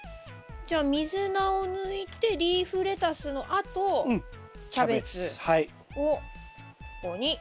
じゃあミズナを抜いてリーフレタスのあとキャベツをここに。